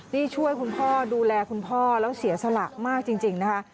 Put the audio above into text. นี่ช่วยคุณพ่อดูแลคุณพ่อแล้วเสียสละมากจริงนะคะ